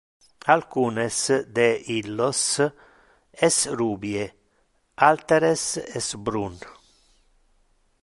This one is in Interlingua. Alcunes de illos es rubie; alteres es brun.